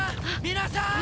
皆さん！